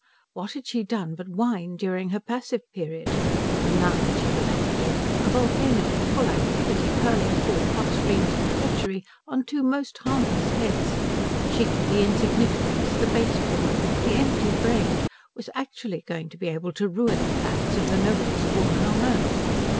What had she done but whine during her passive period? And now that she was active, a volcano in full activity hurling forth hot streams of treachery on two most harmless heads, she, the insignificant, the base born, the empty brained, was actually going to be able to ruin the plans of the noblest woman on earth.